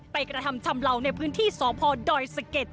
กระทำชำเหล่าในพื้นที่สพดอยสะเก็ด